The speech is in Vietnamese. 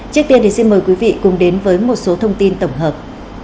trước tiên thì xin mời quý vị cùng đến với một số thông tin tổng hợp